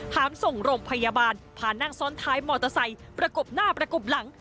หามส่งโรงพยาบาลพานั่งซ้อนท้ายมอเตอร์ไซค์ประกบหน้าประกบหลัง